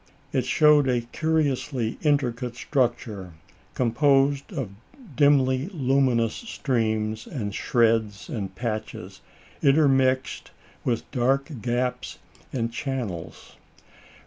It showed a curiously intricate structure, composed of dimly luminous streams, and shreds, and patches, intermixed with dark gaps and channels.